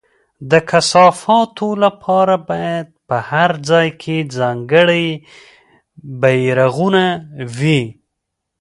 د کثافاتو لپاره باید په هر ځای کې ځانګړي بېرغونه وي.